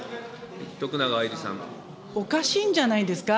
おかしいんじゃないですか。